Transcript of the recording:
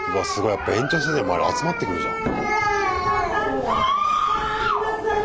やっぱ園長先生の周り集まってくるじゃん。